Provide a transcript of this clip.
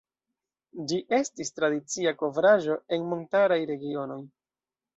Ĝi estis tradicia kovraĵo en montaraj regionoj.